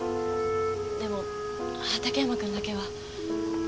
でも畑山君だけは。